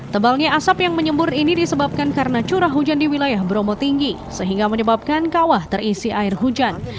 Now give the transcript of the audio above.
tebalnya asap yang menyembur ini disebabkan karena curah hujan di wilayah bromo tinggi sehingga menyebabkan kawah terisi air hujan